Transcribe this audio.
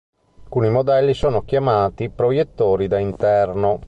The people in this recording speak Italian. Alcuni modelli sono chiamati "proiettori da interno".